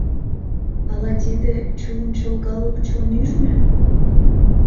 Ала тиде — чулым чолгалык чон ӱжмӧ?